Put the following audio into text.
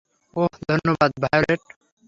ওহ, ধন্যবাদ, ভায়োলেট।